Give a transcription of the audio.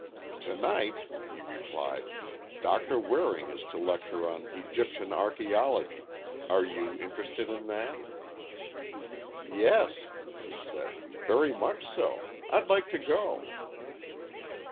"Tonight," he replied, "Doctor Waring is to lecture on Egyptian Archaeology. Are you interested in that?" "Yes," she said, "very much so. I'd like to go."